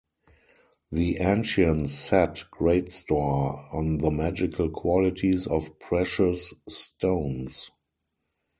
The ancients set great store on the magical qualities of precious stones.